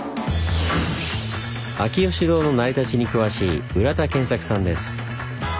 秋芳洞の成り立ちに詳しい浦田健作さんです。